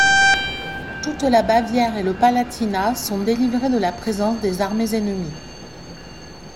Toute la Bavière et le Palatinat sont délivrés de la présence des armées ennemies.